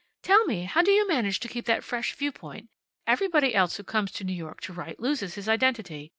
"Tell me, how do you manage to keep that fresh viewpoint? Everybody else who comes to New York to write loses his identity.